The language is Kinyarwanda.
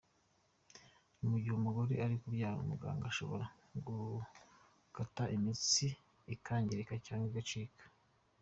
Mu gihe umugore ari kubyara, umuganga ashobora gukata imitsi ikangirika cyangwa igacika.